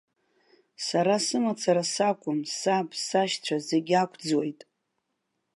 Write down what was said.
Сара сымацара сакәым, саб, сашьцәа зегьы ақәӡуеит!